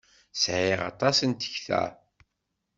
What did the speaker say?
Sɛiɣ aṭas n tekta!